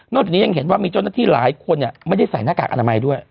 จากนี้ยังเห็นว่ามีเจ้าหน้าที่หลายคนไม่ได้ใส่หน้ากากอนามัยด้วย